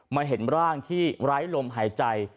เห็นร่างที่ไร้ลมหายใจ